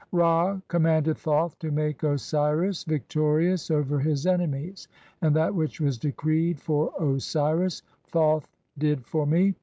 (17) Ra commanded Thoth to make "Osiris victorious over his enemies ; and that which was decreed "[for Osiris] (18) Thoth did for me.